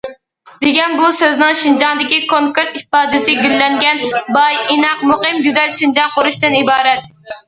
دېگەن بۇ سۆزنىڭ شىنجاڭدىكى كونكرېت ئىپادىسى گۈللەنگەن، باي، ئىناق، مۇقىم، گۈزەل شىنجاڭ قۇرۇشتىن ئىبارەت.